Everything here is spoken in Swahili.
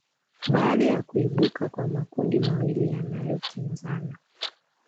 baada ya kuibuka kwa makundi mawili yanayokinzana